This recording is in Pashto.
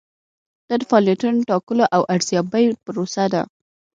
دا د فعالیتونو د ټاکلو او ارزیابۍ پروسه ده.